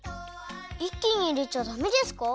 いっきにいれちゃダメですか？